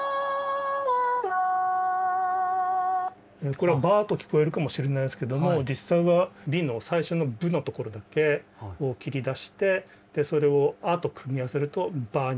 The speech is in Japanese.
これは「ば」と聞こえるかもしれないですけども実際は「び」の最初の「ぶ」の所だけを切り出してそれを「あ」と組み合わせると「ば」になる。